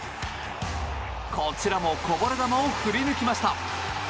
こちらもこぼれ球を振り抜きました。